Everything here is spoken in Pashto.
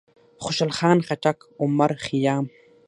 خوشحال خان خټک، عمر خيام،